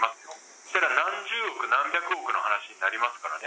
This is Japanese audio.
それは何十億、何百億っていう話になりますからね。